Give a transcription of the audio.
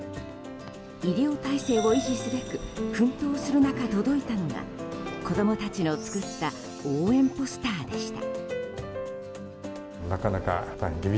医療体制を維持すべく奮闘する中届いたのが子供たちの作った応援ポスターでした。